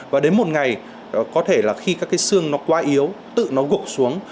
và đến một ngày có thể là khi các cái xương nó quá yếu tự nó gộp xuống